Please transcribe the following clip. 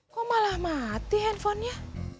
kok malah mati handphonenya